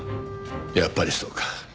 やっぱりそうか。